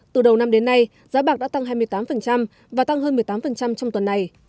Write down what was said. từ đầu năm đến nay giá bạc đã tăng hai mươi tám và tăng hơn một mươi tám trong tuần này